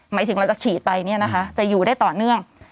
หมายถึงเราจะฉีดไปจะอยู่ได้ต่อเนื่อง